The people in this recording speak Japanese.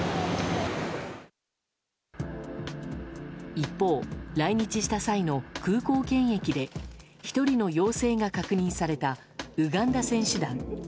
一方、来日した際の空港検疫で１人の陽性が確認されたウガンダ選手団。